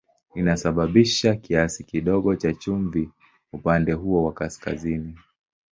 Inasababisha kiasi kidogo cha chumvi upande huo wa kaskazini.